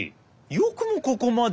よくもここまで。